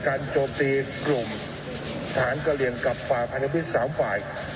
การโจบตีกลุ่มทหารกะเหลียนกับฝาภายพิษสามฝ่าย